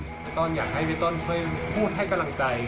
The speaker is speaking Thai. ตอนอยากให้วิทย์ต้นค่อยพูดให้กำลังใจ